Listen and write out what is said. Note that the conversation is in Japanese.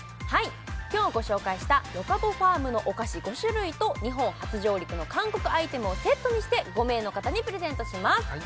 今日ご紹介したロカボファームのお菓子５種類と日本初上陸の韓国アイテムをセットにして５名の方にプレゼントします